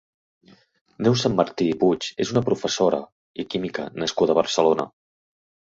Neus Sanmartí i Puig és una professora i química nascuda a Barcelona.